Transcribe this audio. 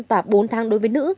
và bốn tháng đối với nữ